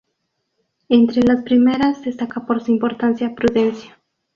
Entre las primeras destaca por su importancia Prudencio.